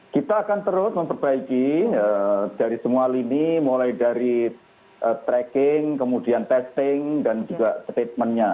kita akan terus memperbaiki dari semua lini mulai dari tracking kemudian testing dan juga statementnya